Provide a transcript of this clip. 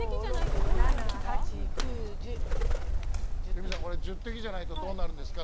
レミさんこれ１０滴じゃないとどうなるんですか？